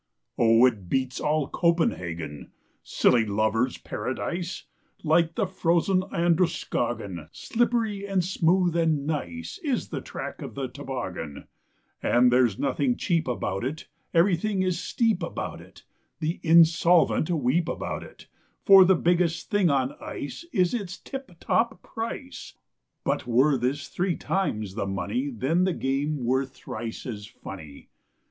Oh, it beats all "Copenhagen," Silly lovers' paradise! Like the frozen Androscoggin, Slippery, and smooth, and nice, Is the track of the toboggan; And there's nothing cheap about it, Everything is steep about it, The insolvent weep about it, For the biggest thing on ice Is its tip top price; But were this three times the money, Then the game were thrice as funny.